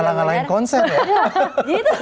kalah ngalahin konsen ya